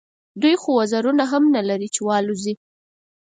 دوی خو وزرونه هم نه لري چې والوزي.